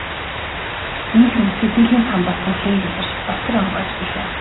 Ийнхүү сэтгэлийн там болсон хэрэг илэрч дотор онгойж билээ.